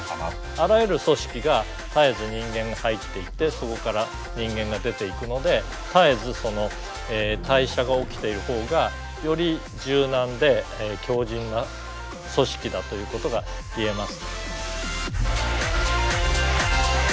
あらゆる組織が絶えず人間が入っていってそこから人間が出ていくので絶えずその代謝が起きているほうがより柔軟で強じんな組織だということが言えます。